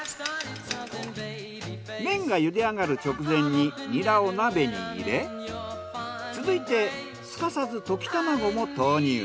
麺が茹で上がる直前にニラを鍋に入れ続いてすかさず溶き卵も投入。